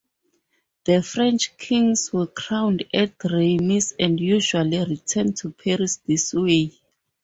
The French kings were crowned at Reims and usually returned to Paris this way.